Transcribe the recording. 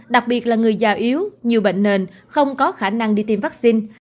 đặc biệt là người già yếu nhiều bệnh nền không có khả năng đi tiêm vaccine